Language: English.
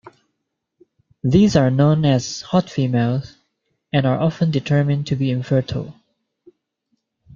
These are known as "hot females" and are often determined to be infertile.